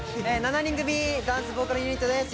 ７人組ダンスボーカルユニットです